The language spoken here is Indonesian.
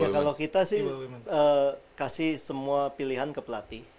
ya kalau kita sih kasih semua pilihan ke pelatih